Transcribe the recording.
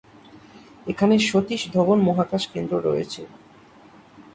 এখানে সতীশ ধবন মহাকাশ কেন্দ্র রয়েছে।